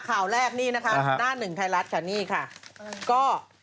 ข่าวแรกนี่นะคะหน้าหนึ่งไทยรัฐค่ะนี่ค่ะก็